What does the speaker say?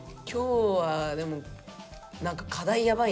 今日はでも何か学校の？